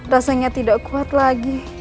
rasanya tidak kuat lagi